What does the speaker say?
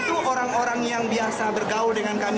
tapi asli papua